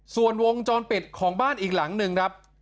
ส่วนวงจรปิดของบ้านอีกหลังหนึ่งครับ